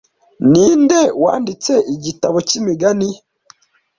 Ninde wanditse igitabo cy'imigani